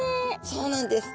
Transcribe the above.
そうなんです。